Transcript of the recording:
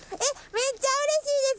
めっちゃうれしいです！